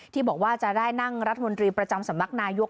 ที่บอกว่าจะได้นั่งรัฐมนตรีประจำสำนักนายก